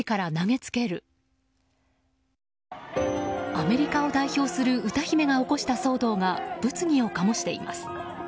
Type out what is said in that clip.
アメリカを代表する歌姫が起こした騒動が物議を醸しています。